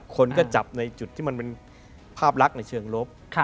คนก็จับในจุดที่มันเป็นภาพลักษณ์ในเชิงลบ